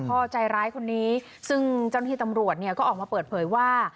พ่อใจร้ายคนนี้ซึ่งเจ้าหน้าที่ตำรวจเนี่ยก็ออกมาเปิดเผยว่า